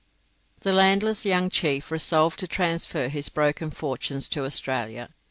The landless young chief resolved to transfer his broken fortunes to Australia.